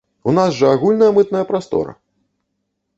У нас жа агульная мытная прастора!